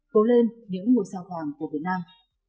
cố lên những mùa sao vàng của việt nam